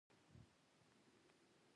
کوتره له خلکو سره ژر اشنا کېږي.